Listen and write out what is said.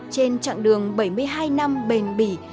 trên chặng đường bảy mươi hai năm bền bỉ